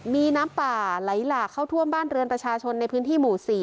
มีน้ำป่าไหลหลากเข้าท่วมบ้านเรือนประชาชนในพื้นที่หมู่๔